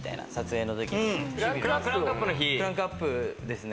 クランクアップですね